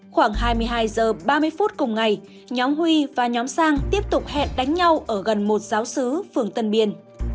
khoảng hai mươi hai h ba mươi phút cùng ngày nhóm huy và nhóm sang tiếp tục hẹn đánh nhau ở gần một giáo sứ phường tân biên